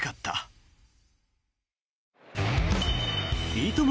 いとも